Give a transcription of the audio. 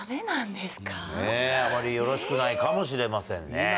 ねぇあまりよろしくないかもしれませんね。